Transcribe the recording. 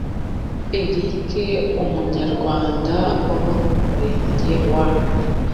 eric umunyarwanda uba mu murenge wa